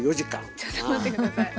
ちょっと待って下さい。